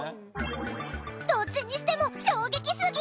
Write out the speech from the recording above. どっちにしても衝撃すぎ！